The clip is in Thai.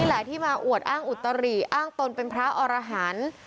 แหละที่มาอวดอ้างอุตริอ้างตนเป็นพระอรหันธ์